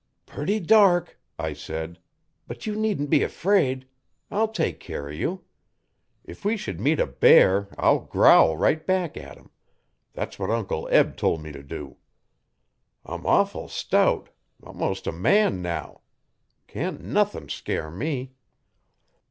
'Purty dark!' I said, 'but you needn't be 'fraid. I'll take care o' you. If we should meet a bear I'll growl right back at him that's what Uncle Eb tol' me t' do. I'm awful stout most a man now! Can't nuthin' scare me.'